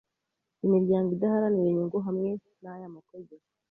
imiryango idaharanira inyungu hamwe n aya mategeko